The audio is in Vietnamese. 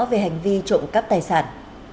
về hành vi trộm cắp tài sản